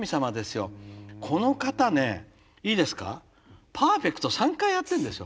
この方ねいいですかパーフェクト３回やってるんですよ！